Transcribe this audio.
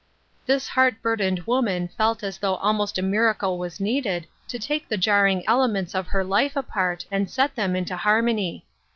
This heart burdened woman felt as though almost a miracle was needed to take the jarring elements of her life apart and set them into harmony.